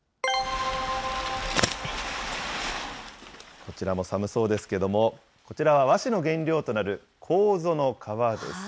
こちらも寒そうですけれども、こちらは和紙の原料となるこうぞの皮です。